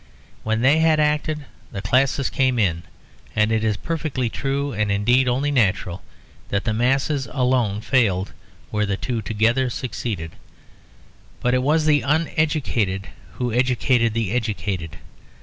When they had acted, the classes came in; and it is perfectly true, and indeed only natural, that the masses alone failed where the two together succeeded. But it was the uneducated who educated the educated.